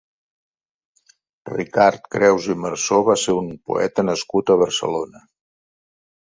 Ricard Creus i Marzo va ser un poeta nascut a Barcelona.